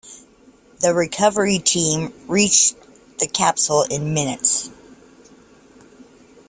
The recovery team reached the capsule in minutes.